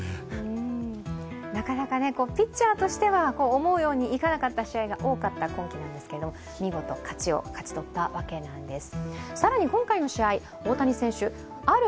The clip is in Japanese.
なかなかピッチャーとしては思うようにいかなかった試合が多かった今季なんですが見事、勝ちを勝ち取ったわけです。